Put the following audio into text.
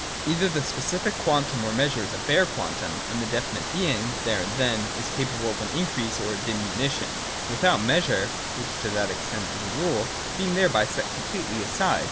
Either the specific quan tum or measure is a bare quantum, and the definite being (there and then) is capable of an increase or a diminution, without Measure (which to that extent is a Rule) being thereby set completely aside.